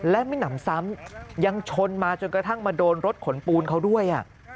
และไม่หนำซ้ำยังชนมาจนกระทั่งมาโดนรถขนปูนเขาด้วย